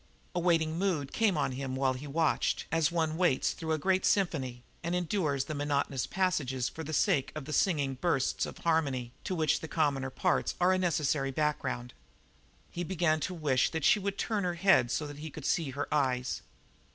A waiting mood came on him while he watched, as one waits through a great symphony and endures the monotonous passages for the sake of the singing bursts of harmony to which the commoner parts are a necessary background. He began to wish that she would turn her head so that he could see her eyes.